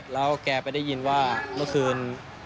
แล้วแกไปได้ยินว่าเมื่อคืน